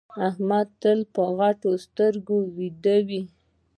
احمد تل په غټو سترګو ويده وي.